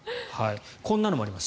こんなのもあります。